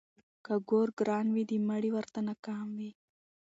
ـ که ګور ګران وي د مړي ورته نه کام وي.